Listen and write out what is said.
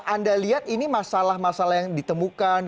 anda lihat ini masalah masalah yang ditemukan